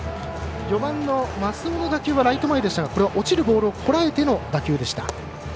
４番の増見の打球はセンター前でしたが落ちるボールをとらえての打球でした。